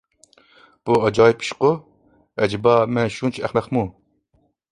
بۇ ئاجايىپ ئىشقۇ، ئەجەبا، مەن شۇنچە ئەخمەقمۇ؟